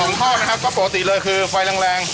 แล้วก็ของทอดนะครับก็ปกติเลยคือไฟแรง